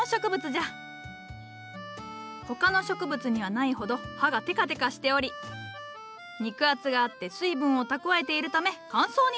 他の植物にはないほど葉がてかてかしており肉厚があって水分を蓄えているため乾燥に強いんじゃ。